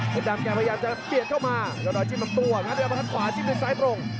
เพชรดำกันพยายามจะเปลี่ยนเข้ามายอดรอยจิ้มทั้งตัวงั้นเรากำลังกันขวาจิ้มด้วยสายตรง